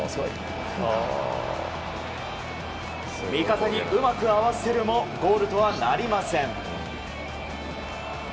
味方にうまく合わせるもゴールとはなりません。